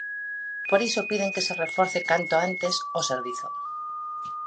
Por iso piden que se reforce canto antes o servizo.